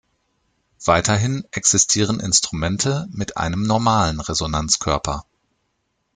Weiterhin existieren Instrumente mit einem normalen Resonanzkörper.